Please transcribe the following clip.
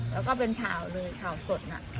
แล้วก็เป็นเผ่าเลยเผ่าสดน่ะ